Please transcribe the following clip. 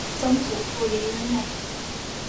曾祖父林仁美。